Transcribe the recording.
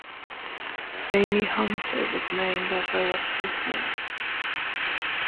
Amy Hunter was named as her replacement.